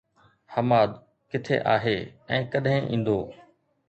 حماد، ڪٿي آهي ۽ ڪڏهن ايندو؟